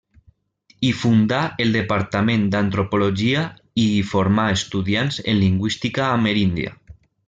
Hi fundà el departament d'antropologia i hi formà estudiants en lingüística ameríndia.